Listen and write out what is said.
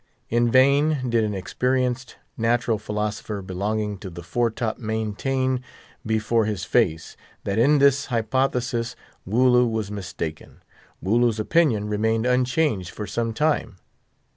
In vain did an experienced natural philosopher belonging to the fore top maintain before his face, that in this hypothesis Wooloo was mistaken. Wooloo's opinion remained unchanged for some time.